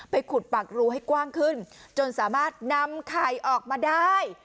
ขุดปากรูให้กว้างขึ้นจนสามารถนำไข่ออกมาได้